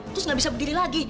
terus nggak bisa berdiri lagi